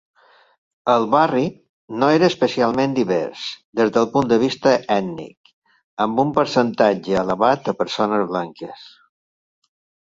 El barri "no era especialment divers" des del punt de vista ètnic, amb un percentatge elevat de persones blanques.